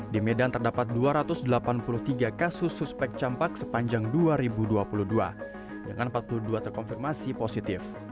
di medan terdapat dua ratus delapan puluh tiga kasus suspek campak sepanjang dua ribu dua puluh dua dengan empat puluh dua terkonfirmasi positif